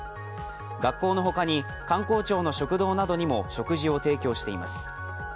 学校の他に官公庁の食堂などにも食事を提供しています。